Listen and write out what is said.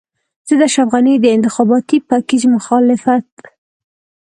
زه د اشرف غني د انتخاباتي پېکج مخالفت.